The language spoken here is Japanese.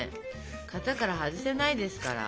型から外せないですから。